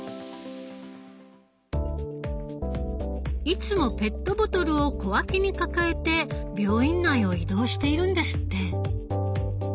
いつもペットボトルを小脇に抱えて病院内を移動しているんですって。